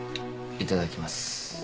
いただきます。